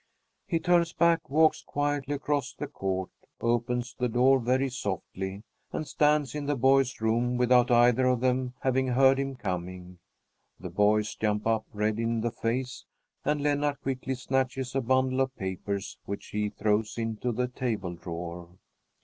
He turns back, walks quietly across the court, opens the door very softly, and stands in the boys' room without either of them having heard him coming. The boys jump up, red in the face, and Lennart quickly snatches a bundle of papers which he throws into the table drawer.